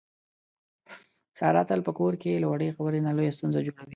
ساره تل په کور کې له وړې خبرې نه لویه ستونزه جوړي.